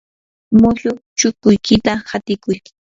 mushuq chukuykita hatikuy.